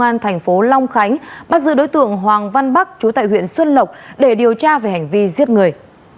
công an thành phố long khánh bắt giữ đối tượng hoàng văn bắc chú tại huyện xuân lộc để điều tra về hành vi giết người